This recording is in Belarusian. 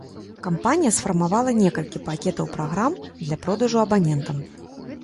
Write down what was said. Кампанія сфармавала некалькі пакетаў праграм для продажу абанентам.